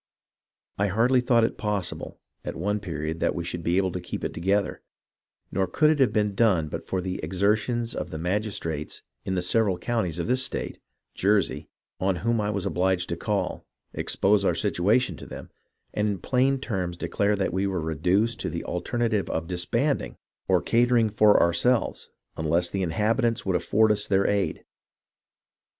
I hardly thought it possible, at one period, that we should be able to keep it together, nor could it have been done but for the exertions of the magis trates in the several counties of this state (Jersey), on whom I was obliged to call, expose our situation to them, and in plain terms declare that we were reduced to the alternative of disbanding or catering for ourselves unless the inhab itants would afford us their aid.